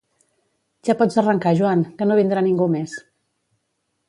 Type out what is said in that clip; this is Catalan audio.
Ja pots arrencar Joan, que no vindrà ningú més